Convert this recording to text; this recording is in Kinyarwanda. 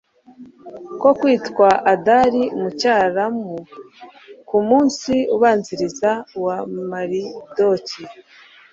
ko kwitwa adari mu cyaramu, ku munsi ubanziriza uwa maridoki